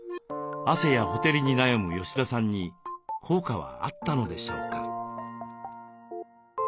汗やほてりに悩む吉田さんに効果はあったのでしょうか？